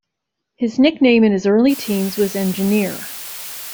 His nickname in his early teens was "Engineer".